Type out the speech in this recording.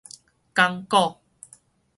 講古